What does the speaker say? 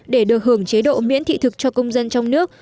để được hưởng chế độ miễn thị thực cho công dân trong nước